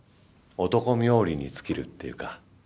男冥利に尽きるっていうか。